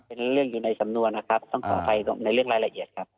เป็นเรื่องอยู่ในสำนวนนะครับต้องขออภัยในเรื่องรายละเอียดครับ